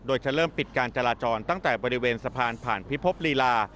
โดยจะเริ่มปิดการจราจรตั้งแต่บริเวณสะพานผ่านพิภพลีลา